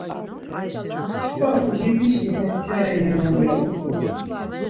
çkva udidişi hentere renan ya utzu.